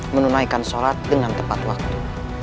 menunaikan sholat dengan tepat waktu